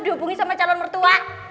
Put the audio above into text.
dihubungi sama calon mertua